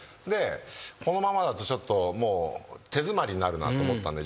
このままだとちょっと手詰まりになるなと思ったんで自分が。